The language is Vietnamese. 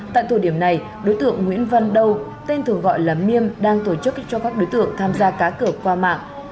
tại tù điểm này đối tượng nguyễn văn đâu tên thường gọi là niêm đang tổ chức cho các đối tượng tham gia cá cược qua mạng